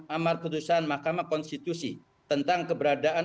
amar putusan mahkamah konstitusi tentang keberadaan